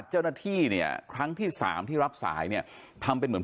เจ้าหน้าที่เนี่ยครั้งที่สามที่รับสายเนี่ยทำเป็นเหมือน